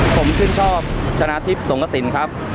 ผมชื่นชอบชนะทิพย์สงกระสินครับ